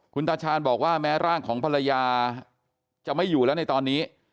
คุณตาชาญบอกว่าแม้ร่างของภรรยาจะไม่อยู่แล้วในตอนนี้